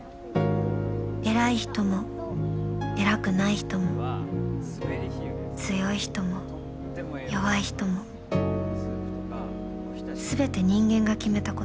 偉い人も偉くない人も強い人も弱い人も全て人間が決めたこと。